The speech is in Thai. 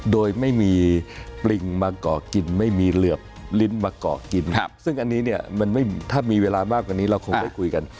โดยไม่มีปริงมาเกาะกินไม่มีเหลือบลิ้นมาเกาะกินซึ่งอันนี้เนี่ยมันไม่ถ้ามีเวลามากกว่านี้เราคงได้คุยกัน